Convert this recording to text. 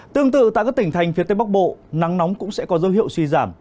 tương tự tại các tỉnh thành phía tây bắc bộ nắng nóng cũng sẽ có dấu hiệu suy giảm